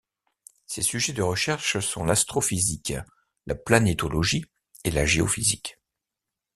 Ses sujets de recherche sont l'astrophysique, la planétologie et la géophysique.